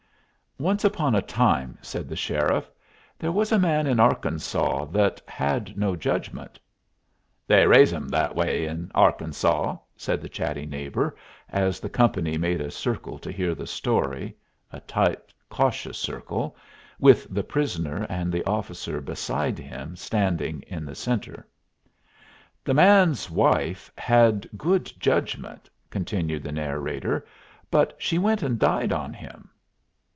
"Once upon a time," said the sheriff, "there was a man in Arkansaw that had no judgment." "They raise 'em that way in Arkansaw," said the chatty neighbor, as the company made a circle to hear the story a tight, cautious circle with the prisoner and the officer beside him standing in the centre. "The man's wife had good judgment," continued the narrator, "but she went and died on him."